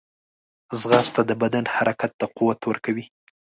ځغاسته د بدن حرکت ته قوت ورکوي